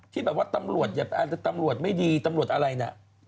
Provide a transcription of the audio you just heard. ที่บอกว่าตำรวจแต่ตำรวจไม่ดีตำรวจอะไรเนี่ย